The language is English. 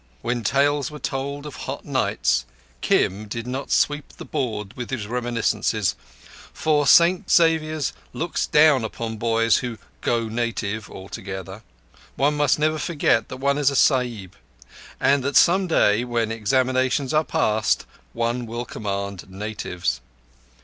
When tales were told of hot nights, Kim did not sweep the board with his reminiscences; for St Xavier's looks down on boys who "go native all together." One must never forget that one is a Sahib, and that some day, when examinations are passed, one will command natives.